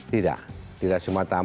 tidak tidak semua tamu